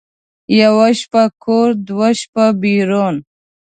یوه شپه کور، دوه شپه بېرون.